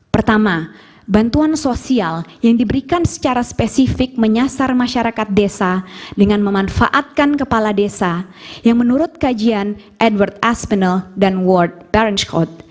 pertama bantuan sosial yang diberikan secara spesifik menyasar masyarakat desa dengan memanfaatkan kepala desa yang menurut kajian edward aspnal dan world barance code